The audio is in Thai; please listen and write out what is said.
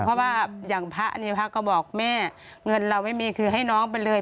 เพราะว่าอย่างพระเนี่ยพระก็บอกแม่เงินเราไม่มีคือให้น้องไปเลย